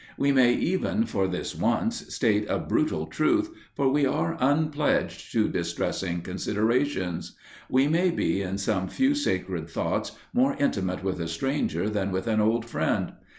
We may even for this once state a brutal truth, for we are unpledged to distressing considerations. We may be in some few sacred thoughts more intimate with a stranger than with an old friend.